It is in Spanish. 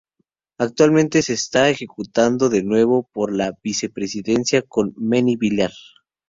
Actualmente, se está ejecutando de nuevo por la Vice Presidencia con Manny Villar.